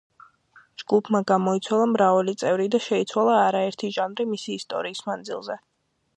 ჯგუფმა გამოიცვალა მრავალი წევრი და შეიცვალა არაერთი ჟანრი მისი ისტორიის მანძილზე.